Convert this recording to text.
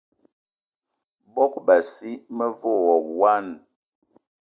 Bogb-assi me ve wo wine.